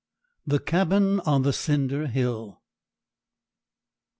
THE CABIN ON THE CINDER HILL.